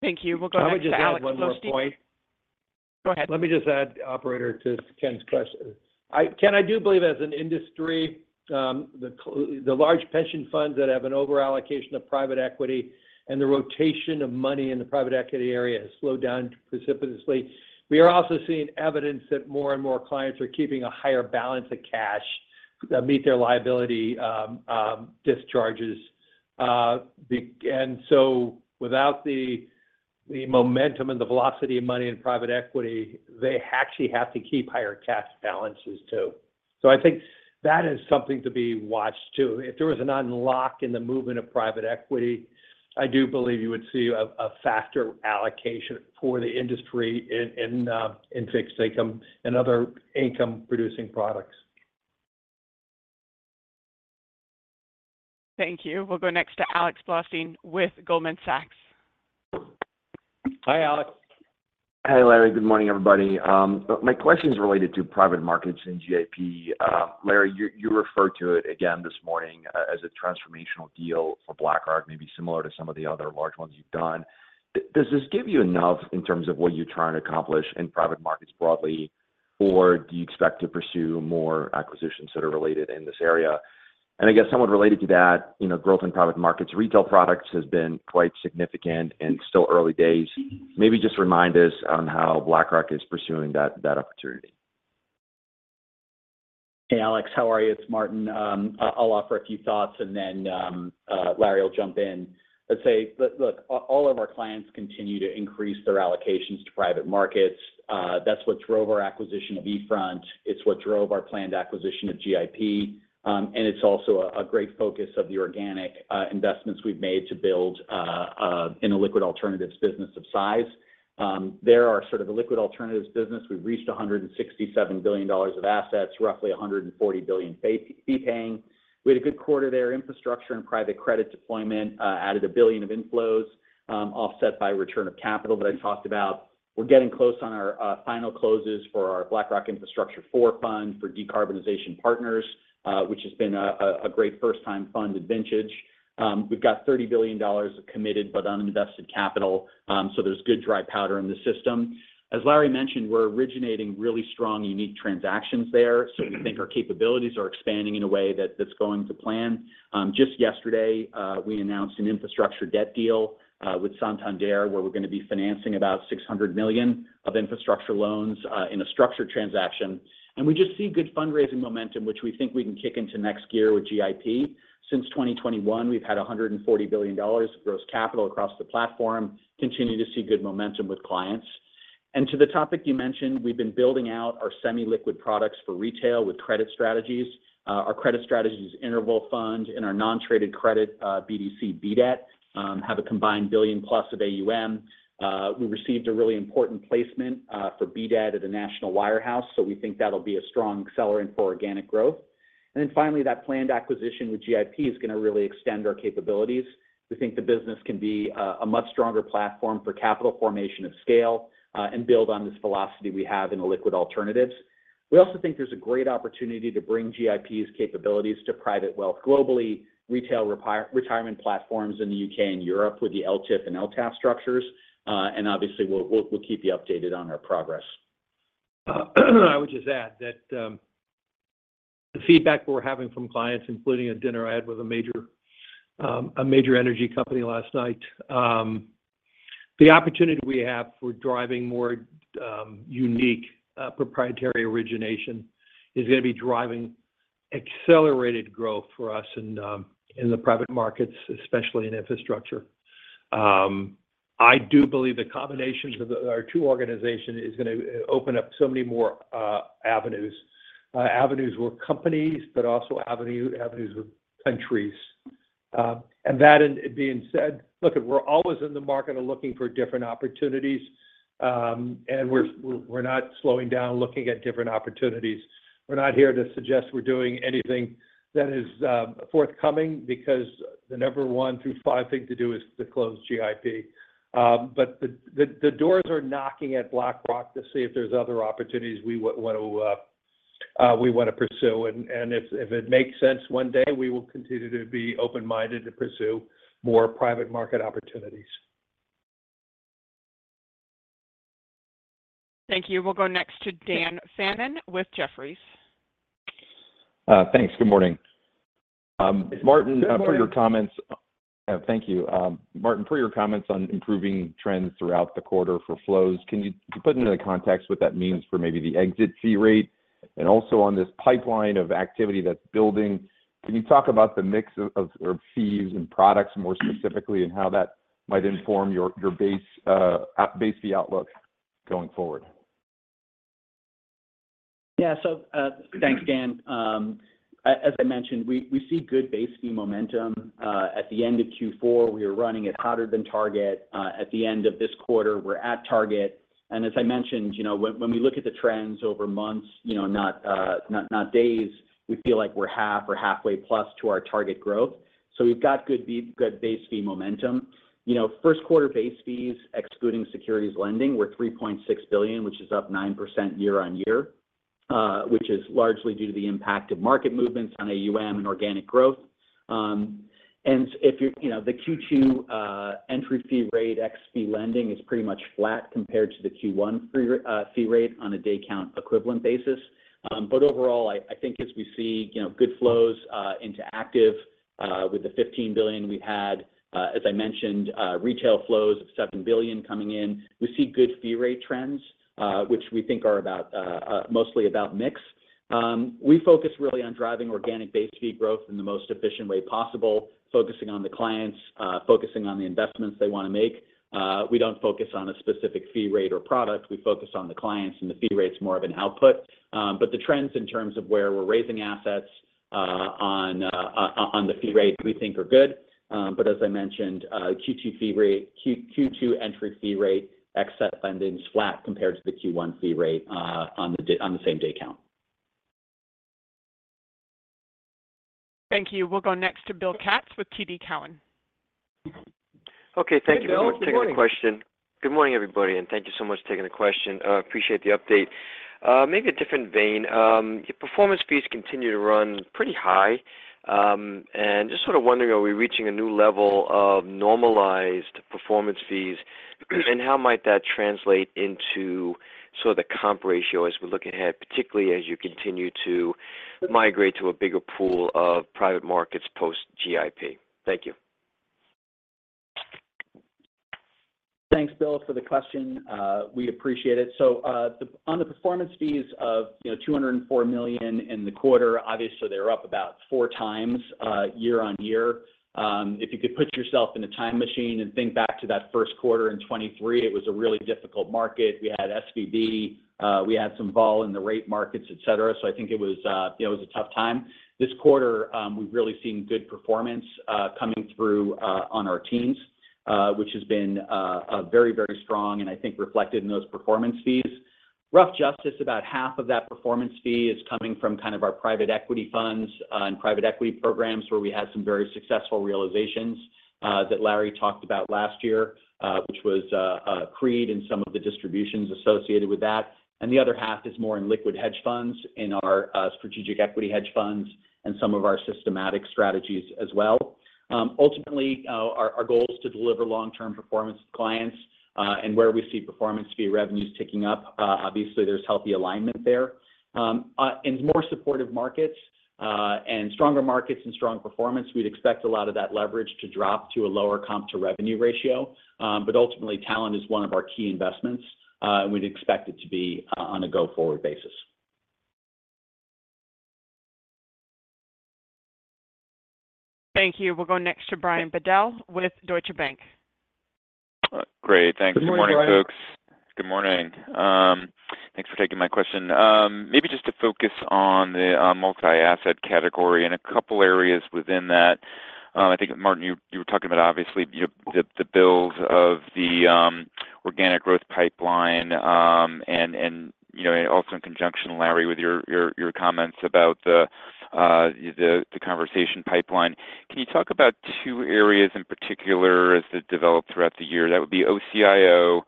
Thank you. We'll go next to Alex Blostein. Let me just add one more point. Go ahead. Let me just add, operator, to Ken's question. Ken, I do believe as an industry, the large pension funds that have an overallocation of private equity and the rotation of money in the private equity area has slowed down precipitously. We are also seeing evidence that more and more clients are keeping a higher balance of cash to meet their liability discharges. And so without the momentum and the velocity of money in private equity, they actually have to keep higher cash balances too. So I think that is something to be watched too. If there was an unlock in the movement of private equity, I do believe you would see a faster allocation for the industry in fixed income and other income-producing products. Thank you. We'll go next to Alex Blostein with Goldman Sachs. Hi, Alex. Hi, Larry. Good morning, everybody. My question is related to private markets and GIP. Larry, you referred to it again this morning as a transformational deal for BlackRock, maybe similar to some of the other large ones you've done. Does this give you enough in terms of what you're trying to accomplish in private markets broadly, or do you expect to pursue more acquisitions that are related in this area? I guess somewhat related to that, growth in private markets, retail products has been quite significant and still early days. Maybe just remind us on how BlackRock is pursuing that opportunity. Hey, Alex. How are you? It's Martin. I'll offer a few thoughts, and then Larry will jump in. Let's say, look, all of our clients continue to increase their allocations to private markets. That's what drove our acquisition of eFront. It's what drove our planned acquisition of GIP. And it's also a great focus of the organic investments we've made to build an illiquid alternatives business of size. There are sort of a illiquid alternatives business. We've reached $167 billion of assets, roughly $140 billion fee-paying. We had a good quarter there. Infrastructure and private credit deployment added $1 billion of inflows offset by return of capital that I talked about. We're getting close on our final closes for our BlackRock Infrastructure Fund IV, Decarbonization Partners, which has been a great first-time fund advantage. We've got $30 billion of committed but uninvested capital. There's good dry powder in the system. As Larry mentioned, we're originating really strong, unique transactions there. We think our capabilities are expanding in a way that's going to plan. Just yesterday, we announced an infrastructure debt deal with Santander where we're going to be financing about $600 million of infrastructure loans in a structured transaction. We just see good fundraising momentum, which we think we can kick into next year with GIP. Since 2021, we've had $140 billion of gross capital across the platform, continue to see good momentum with clients. To the topic you mentioned, we've been building out our semi-liquid products for retail with credit strategies. Our credit strategies interval fund and our non-traded credit BDC BCRED have a combined $1 billion-plus of AUM. We received a really important placement for BCRED at a national wirehouse. So we think that'll be a strong accelerant for organic growth. And then finally, that planned acquisition with GIP is going to really extend our capabilities. We think the business can be a much stronger platform for capital formation of scale and build on this velocity we have an illiquid alternatives. We also think there's a great opportunity to bring GIP's capabilities to private wealth globally, retail retirement platforms in the UK and Europe with the ELTIF and LTAF structures. And obviously, we'll keep you updated on our progress. I would just add that the feedback we're having from clients, including a dinner I had with a major energy company last night, the opportunity we have for driving more unique proprietary origination is going to be driving accelerated growth for us in the private markets, especially in infrastructure. I do believe the combination of our two organizations is going to open up so many more avenues, avenues where companies, but also avenues with countries. And that being said, look, we're always in the market looking for different opportunities, and we're not slowing down looking at different opportunities. We're not here to suggest we're doing anything that is forthcoming because the number one through five thing to do is to close GIP. But the doors are knocking at BlackRock to see if there's other opportunities we want to pursue. If it makes sense one day, we will continue to be open-minded to pursue more private market opportunities. Thank you. We'll go next to Dan Fannon with Jefferies. Thanks. Good morning. Martin, for your comments, thank you. Martin, for your comments on improving trends throughout the quarter for flows, can you put into the context what that means for maybe the exit fee rate and also on this pipeline of activity that's building? Can you talk about the mix of fees and products more specifically and how that might inform your base fee outlook going forward? Yeah. So thanks, Dan. As I mentioned, we see good base fee momentum. At the end of Q4, we were running at hotter than target. At the end of this quarter, we're at target. And as I mentioned, when we look at the trends over months, not days, we feel like we're half or halfway plus to our target growth. So we've got good base fee momentum. First-quarter base fees excluding securities lending were $3.6 billion, which is up 9% year-on-year, which is largely due to the impact of market movements on AUM and organic growth. And if you look at the Q2 entry fee rate ex securities lending, it's pretty much flat compared to the Q1 fee rate on a day-count equivalent basis. But overall, I think as we see good flows into active with the $15 billion we had, as I mentioned, retail flows of $7 billion coming in, we see good fee rate trends, which we think are mostly about mix. We focus really on driving organic base fee growth in the most efficient way possible, focusing on the clients, focusing on the investments they want to make. We don't focus on a specific fee rate or product. We focus on the clients, and the fee rate's more of an output. But the trends in terms of where we're raising assets on the fee rate, we think, are good. But as I mentioned, Q2 entry fee rate except lending's flat compared to the Q1 fee rate on the same day-count. Thank you. We'll go next to Bill Katz with TD Cowen. Okay. Thank you very much for taking the question. Good morning, everybody, and thank you so much for taking the question. Appreciate the update. Maybe a different vein. Your performance fees continue to run pretty high. And just sort of wondering, are we reaching a new level of normalized performance fees, and how might that translate into sort of the comp ratio as we look ahead, particularly as you continue to migrate to a bigger pool of private markets post-GIP? Thank you. Thanks, Bill, for the question. We appreciate it. So on the performance fees of $204 million in the quarter, obviously, they're up about four times year-over-year. If you could put yourself in a time machine and think back to that first quarter in 2023, it was a really difficult market. We had SVB. We had some vol in the rate markets, etc. So I think it was a tough time. This quarter, we've really seen good performance coming through on our teams, which has been very, very strong, and I think reflected in those performance fees. Rough Justice, about half of that performance fee is coming from kind of our private equity funds and private equity programs where we had some very successful realizations that Larry talked about last year, which was Creed and some of the distributions associated with that. The other half is more in liquid hedge funds in our strategic equity hedge funds and some of our systematic strategies as well. Ultimately, our goal is to deliver long-term performance to clients, and where we see performance fee revenues ticking up, obviously, there's healthy alignment there. In more supportive markets and stronger markets and strong performance, we'd expect a lot of that leverage to drop to a lower comp-to-revenue ratio. But ultimately, talent is one of our key investments, and we'd expect it to be on a go-forward basis. Thank you. We'll go next to Brian Bedell with Deutsche Bank. Great. Thanks. Good morning, folks. Good morning. Thanks for taking my question. Maybe just to focus on the multi-asset category and a couple of areas within that. I think, Martin, you were talking about, obviously, the build of the organic growth pipeline and also in conjunction, Larry, with your comments about the conversation pipeline. Can you talk about two areas in particular as they develop throughout the year? That would be OCIO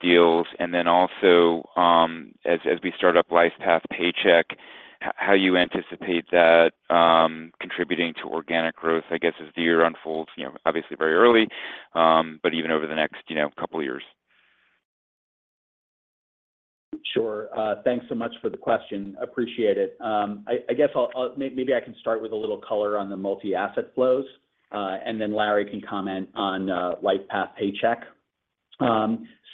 deals and then also as we start up LifePath Paycheck, how you anticipate that contributing to organic growth, I guess, as the year unfolds, obviously, very early, but even over the next couple of years? Sure. Thanks so much for the question. Appreciate it. I guess maybe I can start with a little color on the multi-asset flows, and then Larry can comment on LifePath Paycheck.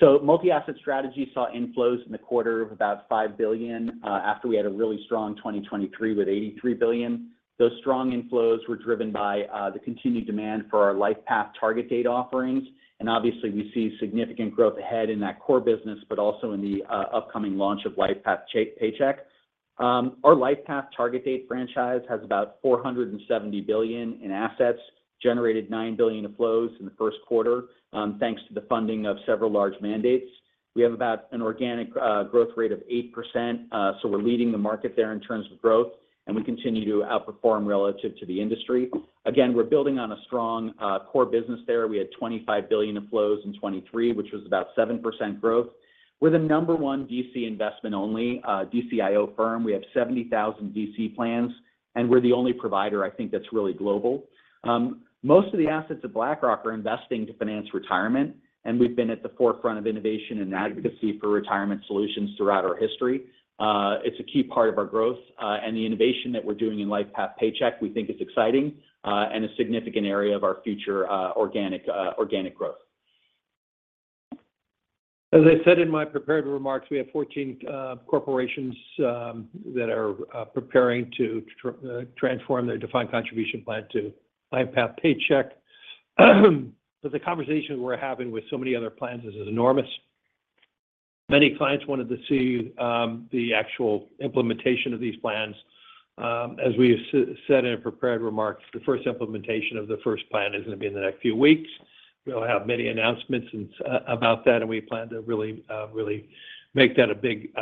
So multi-asset strategy saw inflows in the quarter of about $5 billion after we had a really strong 2023 with $83 billion. Those strong inflows were driven by the continued demand for our LifePath target date offerings. And obviously, we see significant growth ahead in that core business, but also in the upcoming launch of LifePath Paycheck. Our LifePath target date franchise has about $470 billion in assets, generated $9 billion of flows in the first quarter thanks to the funding of several large mandates. We have about an organic growth rate of 8%. So we're leading the market there in terms of growth, and we continue to outperform relative to the industry. Again, we're building on a strong core business there. We had $25 billion of flows in 2023, which was about 7% growth. We're the number one DC investment only DCIO firm. We have 70,000 DC plans, and we're the only provider, I think, that's really global. Most of the assets of BlackRock are investing to finance retirement, and we've been at the forefront of innovation and advocacy for retirement solutions throughout our history. It's a key part of our growth. The innovation that we're doing in LifePath Paycheck, we think, is exciting and a significant area of our future organic growth. As I said in my prepared remarks, we have 14 corporations that are preparing to transform their defined contribution plan to LifePath Paycheck. But the conversation we're having with so many other plans is enormous. Many clients wanted to see the actual implementation of these plans. As we said in our prepared remarks, the first implementation of the first plan is going to be in the next few weeks. We'll have many announcements about that, and we plan to really make that a big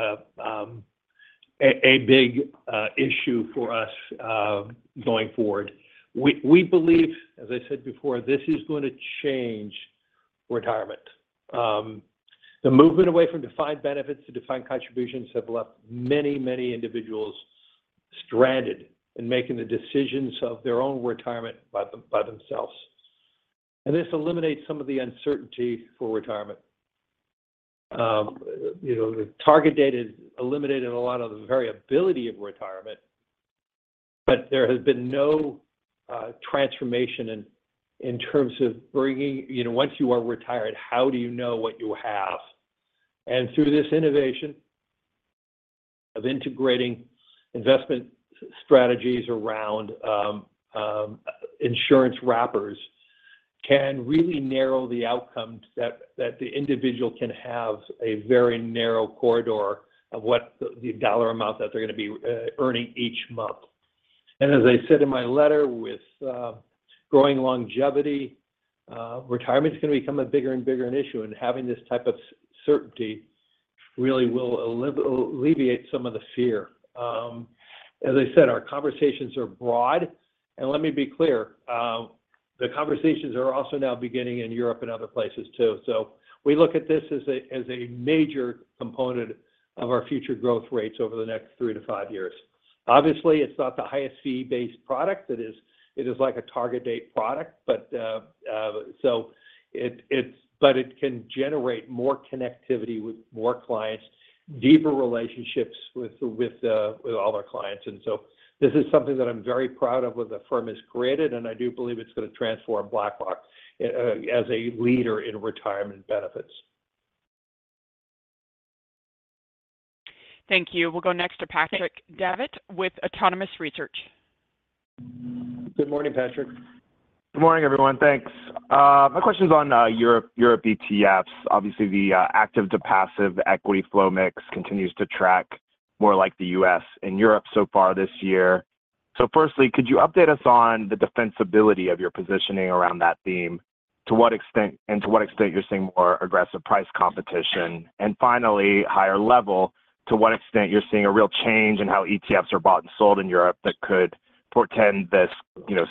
issue for us going forward. We believe, as I said before, this is going to change retirement. The movement away from defined benefits to defined contributions have left many, many individuals stranded in making the decisions of their own retirement by themselves. And this eliminates some of the uncertainty for retirement. The target date has eliminated a lot of the variability of retirement, but there has been no transformation in terms of bringing once you are retired, how do you know what you have? And through this innovation of integrating investment strategies around insurance wrappers can really narrow the outcome that the individual can have a very narrow corridor of what the dollar amount that they're going to be earning each month. And as I said in my letter, with growing longevity, retirement is going to become a bigger and bigger issue. And having this type of certainty really will alleviate some of the fear. As I said, our conversations are broad. And let me be clear, the conversations are also now beginning in Europe and other places too. So we look at this as a major component of our future growth rates over the next three to five years. Obviously, it's not the highest fee-based product. It is like a target date product, but it can generate more connectivity with more clients, deeper relationships with all our clients. And so this is something that I'm very proud of with the firm as a whole, and I do believe it's going to transform BlackRock as a leader in retirement benefits. Thank you. We'll go next to Patrick Davitt with Autonomous Research. Good morning, Patrick. Good morning, everyone. Thanks. My question's on Europe ETFs. Obviously, the active to passive equity flow mix continues to track more like the U.S. in Europe so far this year. So firstly, could you update us on the defensibility of your positioning around that theme, to what extent and to what extent you're seeing more aggressive price competition? And finally, higher level, to what extent you're seeing a real change in how ETFs are bought and sold in Europe that could portend this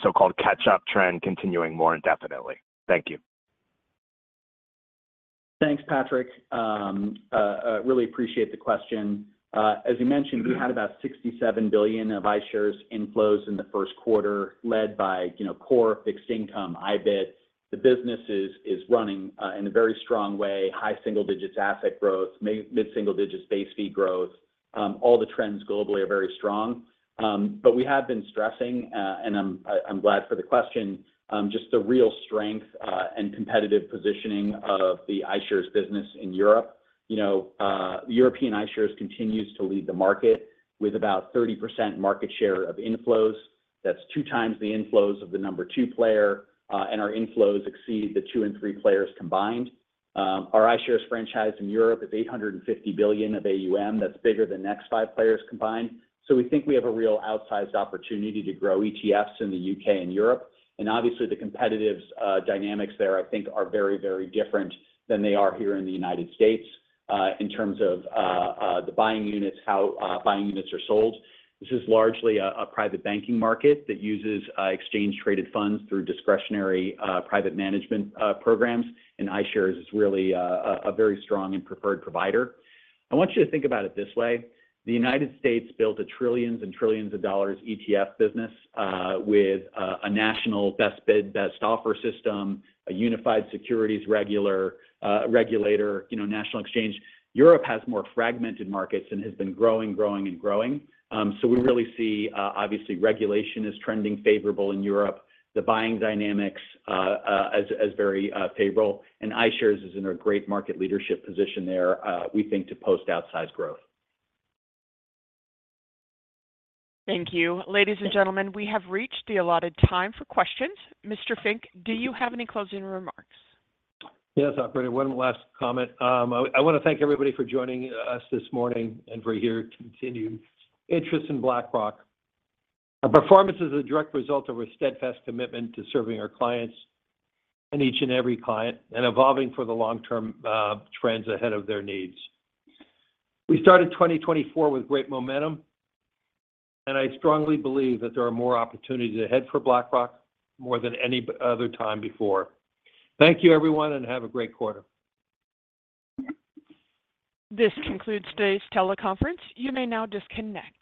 so-called catch-up trend continuing more indefinitely? Thank you. Thanks, Patrick. I really appreciate the question. As you mentioned, we had about $67 billion of iShares inflows in the first quarter led by Core, fixed income, IBIT. The business is running in a very strong way, high single-digit asset growth, mid-single-digit base fee growth. All the trends globally are very strong. But we have been stressing, and I'm glad for the question, just the real strength and competitive positioning of the iShares business in Europe. The European iShares continues to lead the market with about 30% market share of inflows. That's two times the inflows of the number two player, and our inflows exceed the two and three players combined. Our iShares franchise in Europe is $850 billion of AUM. That's bigger than next five players combined. So we think we have a real outsized opportunity to grow ETFs in the UK and Europe. Obviously, the competitive dynamics there, I think, are very, very different than they are here in the United States in terms of the buying units, how buying units are sold. This is largely a private banking market that uses exchange-traded funds through discretionary private management programs, and iShares is really a very strong and preferred provider. I want you to think about it this way. The United States built a trillions and trillions of dollars ETF business with a national best bid, best offer system, a unified securities regulator, national exchange. Europe has more fragmented markets and has been growing, growing, and growing. So we really see, obviously, regulation is trending favorable in Europe, the buying dynamics as very favorable, and iShares is in a great market leadership position there, we think, to post-outsized growth. Thank you. Ladies and gentlemen, we have reached the allotted time for questions. Mr. Fink, do you have any closing remarks? Yes, operator. One last comment. I want to thank everybody for joining us this morning and for your continued interest in BlackRock. Our performance is a direct result of our steadfast commitment to serving our clients and each and every client and evolving for the long-term trends ahead of their needs. We started 2024 with great momentum, and I strongly believe that there are more opportunities ahead for BlackRock more than any other time before. Thank you, everyone, and have a great quarter. This concludes today's teleconference. You may now disconnect.